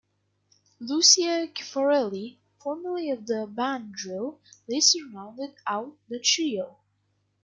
Lucia Cifarelli, formerly of the band Drill, later rounded out the trio.